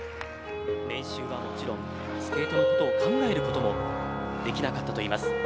練習はもちろんスケートのことを考えることもできなかったといいます。